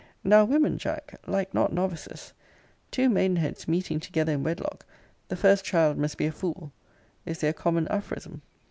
Now women, Jack, like not novices. Two maidenheads meeting together in wedlock, the first child must be a fool, is their common aphorism.